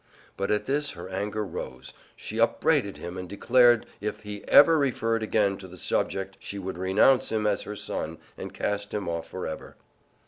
But at this her anger rose; she upbraided him and declared if he ever referred again to the subject she would renounce him as her son and cast him off for ever.